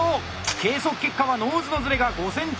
計測結果はノーズのズレが５ｃｍ以内。